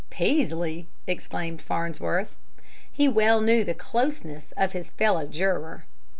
"Peaslee!" exclaimed Farnsworth. He well knew the "closeness" of his fellow juror.